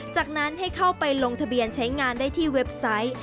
จากนั้นให้เข้าไปลงทะเบียนใช้งานได้ที่เว็บไซต์